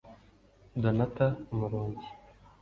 Donatha Umurungi